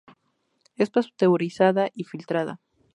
Es pasteurizada y filtrada.